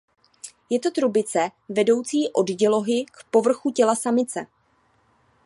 Je to trubice vedoucí od dělohy k povrchu těla samice.